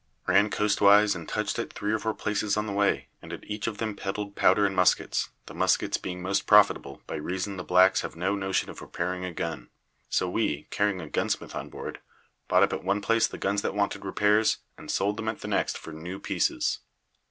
Ran coastwise and touched at three or four places on the way, and at each of them peddled powder and muskets, the muskets being most profitable, by reason the blacks have no notion of repairing a gun. So we, carrying a gunsmith on board, bought up at one place the guns that wanted repairs, and sold them at the next for new pieces.